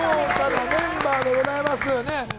豪華なメンバーでございます。